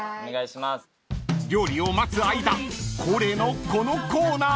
［料理を待つ間恒例のこのコーナー］